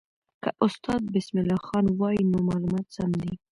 که استاد بسم الله خان وایي، نو معلومات سم دي.